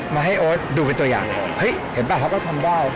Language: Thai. มาให้โอ๊ตดูเป็นตัวอย่างเฮ้ยเห็นป่ะเขาก็ทำได้